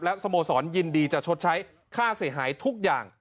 สโมสรยินดีจะชดใช้ค่าเสียหายทุกอย่าง